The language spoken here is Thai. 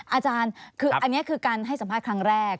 อาจารย์คืออันนี้คือการให้สัมภาษณ์ครั้งแรก